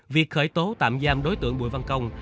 việc khởi tố tạm giam đối tượng bùi văn công